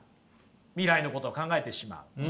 未来のこと考えてしまう。